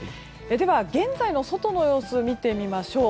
では、現在の外の様子を見てみましょう。